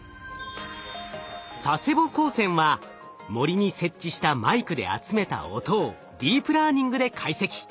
佐世保高専は森に設置したマイクで集めた音をディープラーニングで解析。